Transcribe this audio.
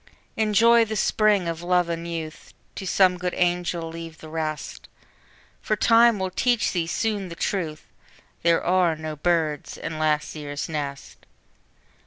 Enjoy the Spring of Love and Youth, To some good angel leave the rest; For Time will teach thee soon the truth, There are no birds in last year's nest!